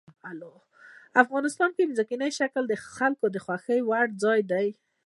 افغانستان کې ځمکنی شکل د خلکو د خوښې وړ یو ځای دی.